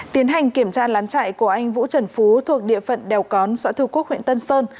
tiến hành kiểm tra lán trại của anh vũ trần phú thuộc địa phận đèo cón xã thư quốc huyện tân sơn